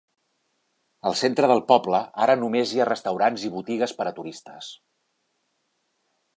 Al centre del poble ara només hi ha restaurants i botigues per a turistes.